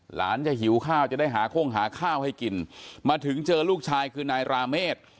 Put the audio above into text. หลานจะหิวข้าวจะได้หาโค้งหาข้าวให้กินมาถึงเจอลูกชายคือนายราเมฆ